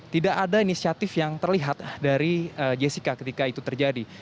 tidak ada inisiatif yang terlihat dari jessica ketika itu terjadi